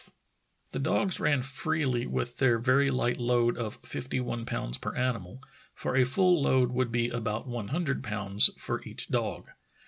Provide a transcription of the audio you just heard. f The dogs ran freely with their very light load of fifty one pounds per animal, for a full load would be about one hundred pounds for each dog.